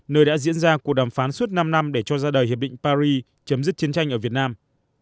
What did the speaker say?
nơi đã diễn ra cuộc đàm phán suốt năm năm để cho ra đời hiệp định paris chấm dứt chiến tranh ở việt nam